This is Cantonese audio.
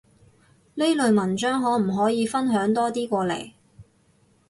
呢類文章可唔可以分享多啲過嚟？